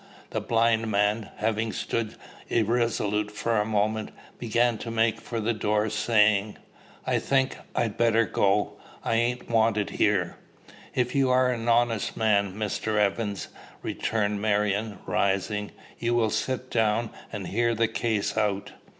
The blind man, having stood irresolute for a moment, began to make for the door, saying, "I think I'd better go. I ain't wanted here." "If you are an honest man, Mr. Evans," returned Marion, rising, "you will sit down and hear the case out."